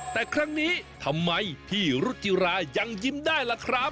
แต่ครั้งนี้ทำไมพี่รุจิรายังยิ้มได้ล่ะครับ